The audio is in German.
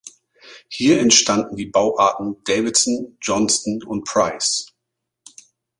Hier entstanden die Bauarten Davidson, Johnston und Price.